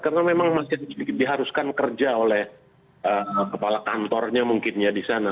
karena memang masih diharuskan kerja oleh kepala kantornya mungkin ya di sana